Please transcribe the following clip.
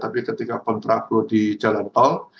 tapi ketika kontrabo di jalan tol